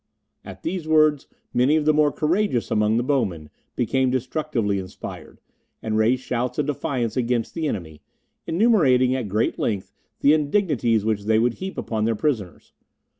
At these words many of the more courageous among the bowmen became destructively inspired, and raised shouts of defiance against the enemy, enumerating at great length the indignities which they would heap upon their prisoners.